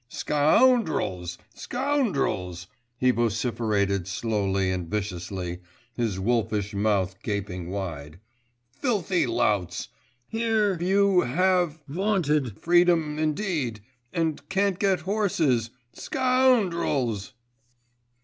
'Scou oundrels, scou oundrels!' he vociferated slowly and viciously, his wolfish mouth gaping wide. 'Filthy louts.... Here you have ... vaunted freedom indeed ... and can't get horses ... scou oundrels!